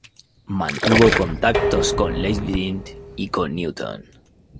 Mantuvo contactos con Leibniz y con Newton.